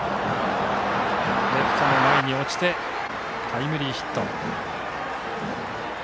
レフト前に落ちてタイムリーヒット。